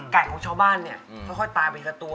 ไก่ของชาวบ้านเนี่ยก็ค่อยตายไปเทิดกับตัว